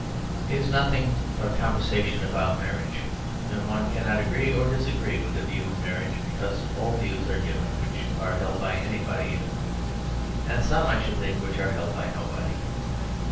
It is nothing but a conversation about marriage; and one cannot agree or disagree with the view of marriage, because all views are given which are held by anybody, and some (I should think) which are held by nobody.